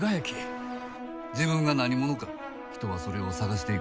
自分が何者か人はそれを探していく。